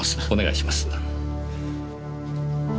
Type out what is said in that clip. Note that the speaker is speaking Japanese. お願いします。